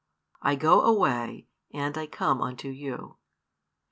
I go away, and I come unto you.